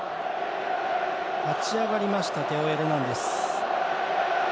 立ち上がりましたテオ・エルナンデス。